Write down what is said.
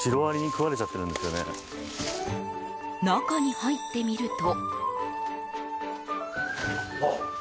中に入ってみると。